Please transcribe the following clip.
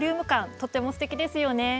とてもすてきですよね。